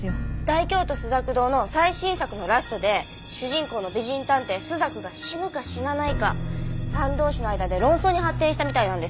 『大京都朱雀堂』の最新作のラストで主人公の美人探偵朱雀が死ぬか死なないかファン同士の間で論争に発展したみたいなんです。